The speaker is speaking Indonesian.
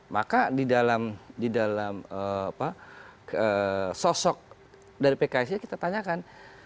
maka di dalam sosok dari pks ya kita tanyakan